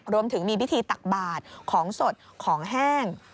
รวมถึงมีพิธีตักบาทของสดของแห้ง